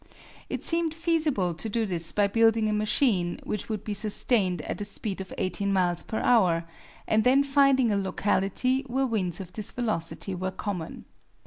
It seemed feasible to do this by building a machine which would be sustained at a speed of 18 miles per hour, and then finding a locality where winds of this velocity were common.